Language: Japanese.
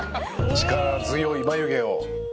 力強い眉毛を。